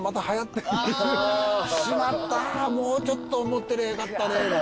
もうちょっと持ってりゃよかったねなんて。